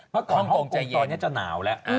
เมื่อก่อนตรงใจตอนนี้จะหนาวแล้ว